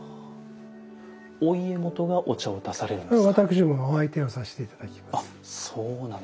お家元がお茶を出されるんですか？